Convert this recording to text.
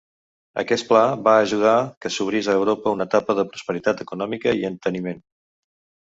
Aquest pla va ajudar que s'obrís a Europa una etapa de prosperitat econòmica i enteniment.